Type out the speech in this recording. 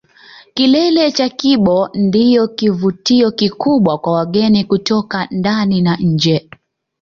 Kilele cha Kibo ndio kivutio kikubwa kwa wageni kutoka ndani na nje